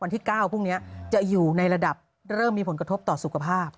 ที่๙พรุ่งนี้จะอยู่ในระดับเริ่มมีผลกระทบต่อสุขภาพ